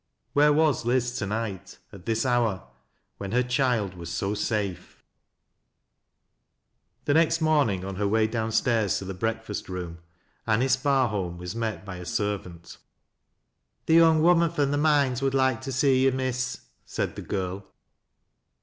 Where was Liz to night, — at tto hour, when bn? child was so safe i 316 THAT LASS a LOWBIE'8. TJie next morning, on her way downstairs to the break fast rooxn, Anice Barholm was met by a servant. " The young woman from the mines would like to see you, Miss," said the girl.